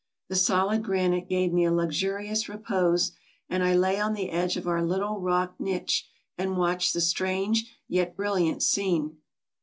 The solid granite gave me a luxurious repose, and I lay on the edge of our little rock niche and watched the strange yet brilliant scene.